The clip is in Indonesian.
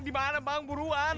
dimana bang buruan